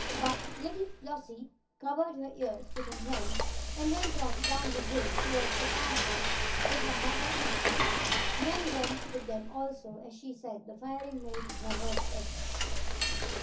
But little Flossie covered her ears with her hands and went on down the hill, toward the farmhouse, with her mother and aunt. Nan went with them also, as she said the firing made her head ache.